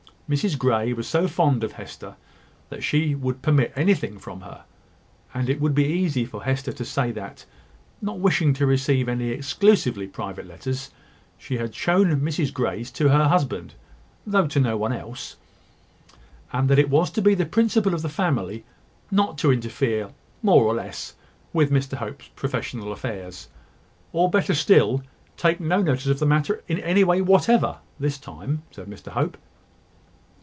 Mrs Grey was so fond of Hester that she would permit anything from her; and it would be easy for Hester to say that, not wishing to receive any exclusively private letters, she had shown Mrs Grey's to her husband, though to no one else: and that it was to be the principle of the family not to interfere, more or less, with Mr Hope's professional affairs. "Or, better still, take no notice of the matter in any way whatever, this time," said Mr Hope.